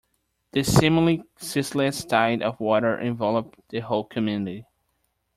The seemingly ceaseless tide of water enveloped the whole community.